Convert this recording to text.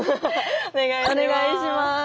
お願いします。